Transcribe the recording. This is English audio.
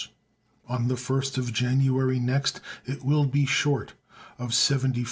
On the first of January next it will be short of $74,000,000.